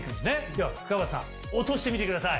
ではくわばたさん落としてみてください。